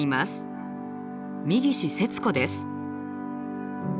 三岸節子です。